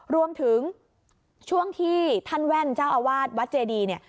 รวมถึงช่วงที่ท่านแว่นเจ้าอาวาสวัดเจดี